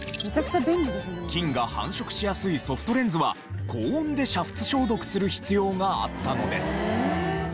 菌が繁殖しやすいソフトレンズは高温で煮沸消毒する必要があったのです。